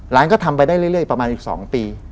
ร้านก็ทำไปได้เรื่อยประมาณอีก๒ปี